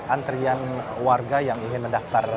antrian warga yang ingin mendaftar